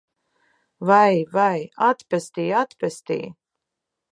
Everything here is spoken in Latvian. Vai, vai! Atpestī! Atpestī!